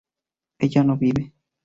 ella no vive